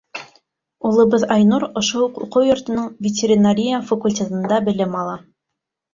Улыбыҙ Айнур ошо уҡ уҡыу йортоноң ветеринария факультетында белем ала.